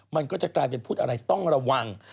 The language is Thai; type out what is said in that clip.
มันก็จะกลายเป็นพูดอะไรต้องระวัง